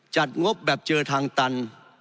งบแบบเจอทางตัน